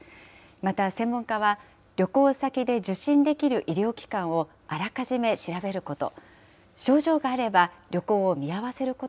また、専門家は、旅行先で受診できる医療機関をあらかじめ調べること。